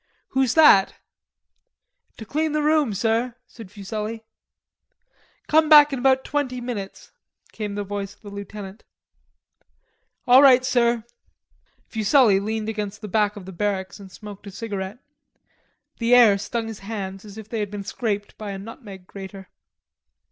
"Who's that?" "To clean the room, sir," said Fuselli. "Come back in about twenty minutes," came the voice of the lieutenant. "All right, sir." Fuselli leaned against the back of the barracks and smoked a cigarette. The air stung his hands as if they had been scraped by a nutmeg grater.